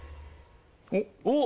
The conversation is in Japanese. おっ！